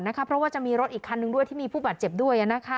เพราะว่าจะมีรถอีกคันนึงด้วยที่มีผู้บาดเจ็บด้วย